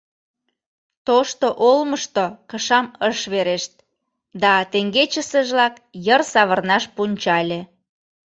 Тошто олмышто кышам ыш верешт да теҥгечысыжлак йыр савырнаш пунчале.